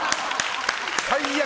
最悪。